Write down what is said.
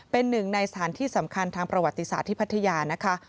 เป็นหนึ่งในสถานที่สำคัญทางประวัติศาสตร์ที่พัทยานะคะ